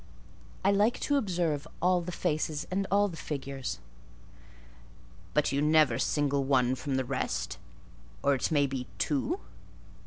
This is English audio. "I like to observe all the faces and all the figures." "But do you never single one from the rest—or it may be, two?"